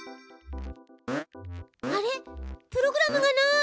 あれプログラムがない！